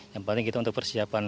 yang penting kita untuk persiapan